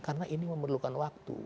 karena ini memerlukan waktu